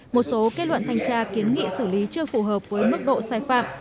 một số kết luận thanh tra kiến nghị xử lý chưa phù hợp với mức độ sai phạm